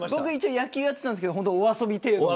野球をやっていたんですけどお遊び程度で。